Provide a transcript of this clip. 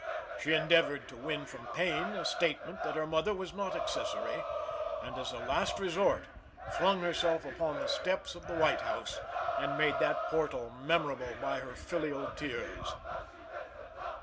She endeavored to win from Payne a statement that her mother was not accessory, and, as a last resort, flung herself upon the steps of the White House, and made that portal memorable by her filial tears.